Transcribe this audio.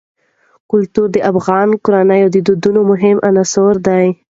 کلتور د افغان کورنیو د دودونو مهم عنصر دی.